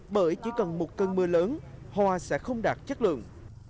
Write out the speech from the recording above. bởi chỉ cần một cơn mưa lớn hoa sẽ không đạt chất lượng